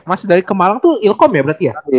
mas dari ke malang tuh ilkom ya berarti ya